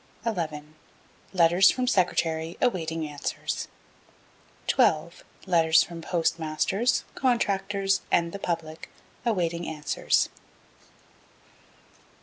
11. Letters from Secretary awaiting answers. 12. do. Postmasters, Contractors and the Public awaiting answers.